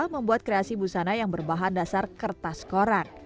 membuat kreasi busana yang berbahan dasar kertas koran